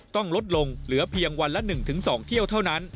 ต้องลดลงเหลือเพียงวันละ๑๒เที่ยวเท่านั้น